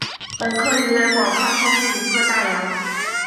本科鱼类广泛分布于各大洋。